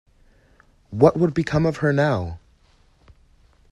What would become of her now?